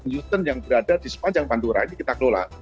uten yang berada di sepanjang pantura ini kita kelola